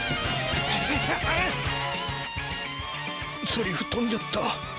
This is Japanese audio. せりふとんじゃった。